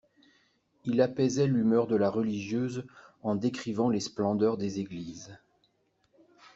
Il apaisait l'humeur de la religieuse en décrivant les splendeurs des églises.